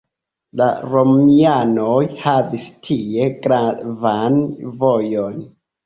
La romianoj havis tie gravan vojon.